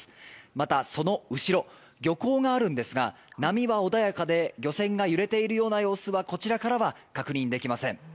また、その後ろ漁港があるんですが波は穏やかで漁船が揺れているような様子はこちらからは確認できません。